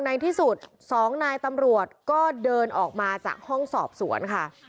ในที่สุดสองนายตำรวจก็เดินออกมาจากห้องสอบสวนค่ะ